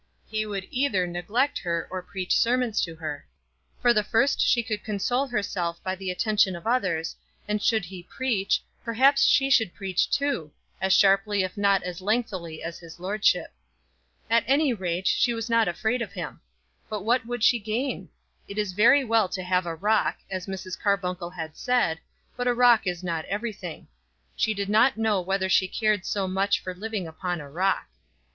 He would either neglect her, or preach sermons to her. For the first she could console herself by the attention of others; and should he preach, perhaps she could preach too, as sharply if not as lengthily as his lordship. At any rate, she was not afraid of him. But what would she gain? It is very well to have a rock, as Mrs. Carbuncle had said, but a rock is not everything. She did not know whether she cared much for living upon a rock.